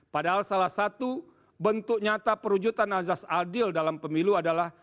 padahal salah satu bentuk nyata perwujudan azas adil dalam pemilu adalah